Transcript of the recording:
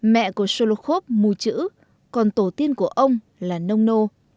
mẹ của solokhov mùi chữ còn tổ tiên của ông là nông nô